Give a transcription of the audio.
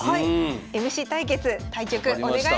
ＭＣ対決対局お願いします！